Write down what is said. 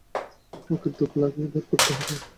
ওকে ডুব লাগিয়ে বের করতে হবে।